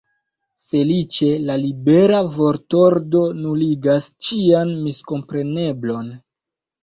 Feliĉe la libera vortordo nuligas ĉian miskompreneblon.